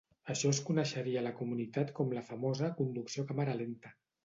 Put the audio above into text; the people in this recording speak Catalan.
Això es coneixeria a la comunitat com la famosa "conducció a càmera lenta".